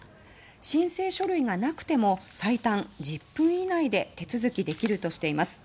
申請書類がなくても最短１０分以内で手続きできるとしています。